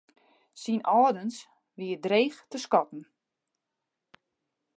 Syn âldens wie dreech te skatten.